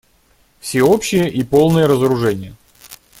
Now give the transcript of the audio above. Всеобщее и полное разоружение.